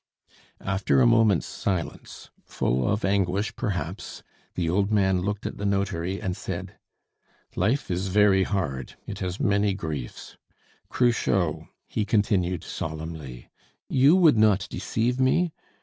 After a moment's silence, full of anguish perhaps, the old man looked at the notary and said, "Life is very hard! It has many griefs! Cruchot," he continued solemnly, "you would not deceive me?